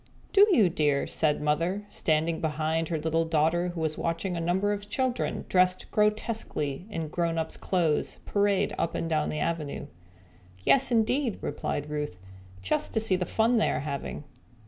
"Do you, dear?" said Mother, standing behind her little daughter who was watching a number of children dressed grotesquely in grown ups' clothes parade up and down the avenue. "Yes, indeed," replied Ruth, "just see the fun they are having."